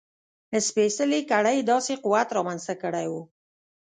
سپېڅلې کړۍ داسې قوت رامنځته کړی و.